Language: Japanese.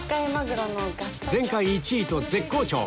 前回１位と絶好調！